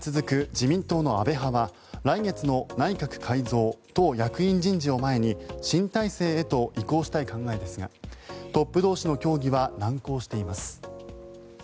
自民党の安倍派は来月の内閣改造・党役員人事を前に新体制へと移行したい考えですがトップ同士の協議は難航しています。